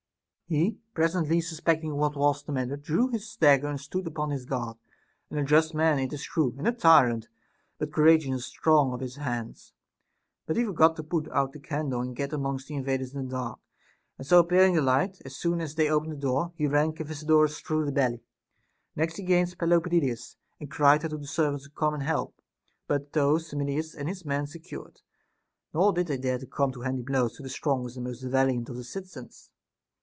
He, presently suspecting what was the matter, drew his dagger and stood upon his guard ; an unjust man, it is true, and a tyrant, but courageous and strong of his hands ; but he forgot to put out the candle and get amongst the invaders in the dark, and so appearing in the light, as soon as they opened the door, he ran Cephisodorus SOCRATES'S DAEMON. 421 through the belly. Next he engaged Pelopidas, and cried out to the servants to come and help ; but those Samidas and his men secured, nor did they dare to come to handy blows with the strongest and most valiant of the citizens.